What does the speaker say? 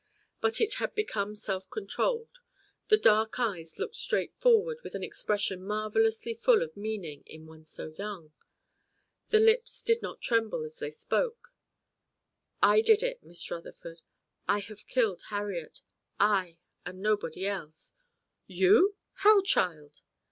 But it had become self controlled; the dark eyes looked straight forward with an expression marvellously full of meaning in one so young; the lips did not tremble as they spoke. "I did it, Miss Rutherford. I have killed Harriet. I, and nobody else." "You? How, child?"